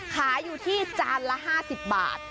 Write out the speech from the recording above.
ขายอยู่ที่จานละ๕๐บาท